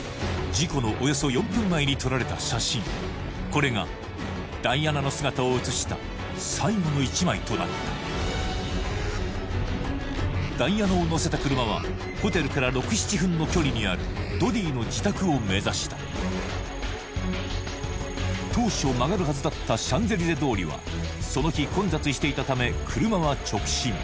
これがダイアナの姿を写した最後の１枚となったダイアナを乗せた車はホテルから６７分の距離にあるドディの自宅を目指した当初曲がるはずだったシャンゼリゼ通りはその日混雑していたため車は直進